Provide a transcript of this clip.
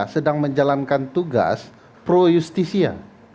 sedang menjalankan tugas pro justisia